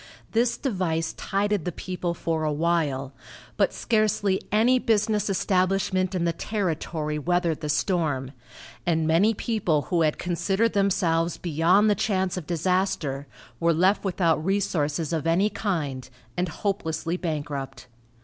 This device tided the people for a while, but scarcely any business establishment in the territory weathered the storm, and many people who had considered themselves beyond the chance of disaster were left without resources of any kind and hopelessly bankrupt.